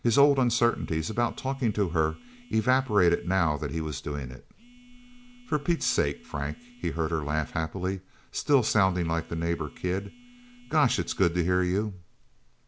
His old uncertainties about talking to her evaporated now that he was doing it. "For Pete's sake Frank!" he heard her laugh happily, still sounding like the neighbor kid. "Gosh, it's good to hear you!"